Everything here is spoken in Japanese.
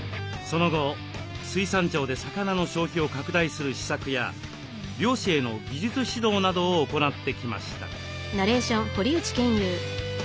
その後水産庁で魚の消費を拡大する施策や漁師への技術指導などを行ってきました。